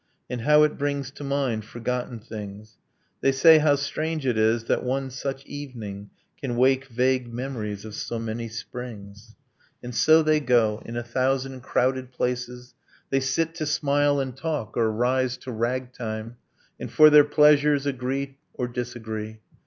And how it brings to mind forgotten things!' They say 'How strange it is that one such evening Can wake vague memories of so many springs!' And so they go ... In a thousand crowded places, They sit to smile and talk, or rise to ragtime, And, for their pleasures, agree or disagree.